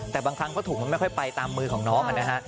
แต่บางครั้งก็ถุงมันไม่ค่อยไปตามมือของน้องนะฮะ